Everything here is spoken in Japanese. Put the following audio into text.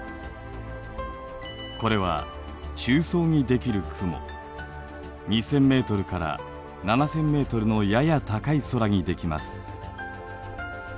これは２，０００ｍから７，０００ｍのやや高い空にできます。